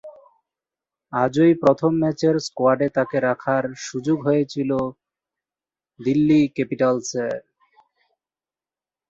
ম্থু-স্তোব্স-র্নাম-র্গ্যাল তিব্বতের গ্ত্সাং-পা রাজবংশের প্রতিষ্ঠাতা ও প্রথম রাজা ঝিগ-শাগ-পা-ত্শে-ব্র্তান-র্দো-র্জের পুত্র ছিলেন।